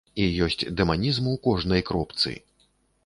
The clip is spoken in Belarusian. І ёсць дэманізм у кожнай кропцы.